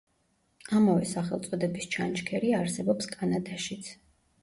ამავე სახელწოდების ჩანჩქერი არსებობს კანადაშიც.